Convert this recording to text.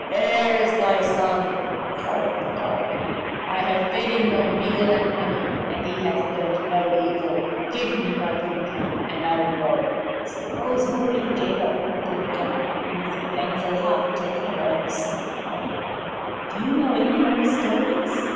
'Here is thy son!' croaked the Korrigan. 'I have fed him on meal and honey, and he has learnt no evil. Give me my Poupican, and I will go.' So Rose Marie gave up the Poupican, and with a thankful heart took her own son home." "Do you know any more stories?"